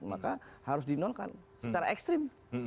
maka harus dinolkan secara ekstrim